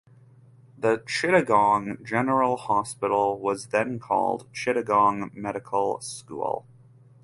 The Chittagong General Hospital was then called Chittagong Medical School.